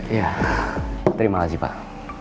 ya terima kasih pak